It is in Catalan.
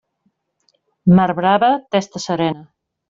Mar brava, testa serena.